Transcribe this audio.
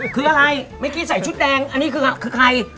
คืออะไรเมื่อกี้ใส่ชุดแดงอันนี้คือใคร